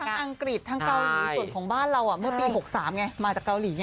อังกฤษทั้งเกาหลีส่วนของบ้านเราเมื่อปี๖๓ไงมาจากเกาหลี